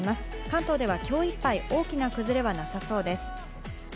関東では今日いっぱい大きな崩れはなさそうです。